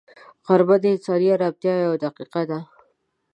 غرمه د انساني ارامتیا یوه دقیقه ده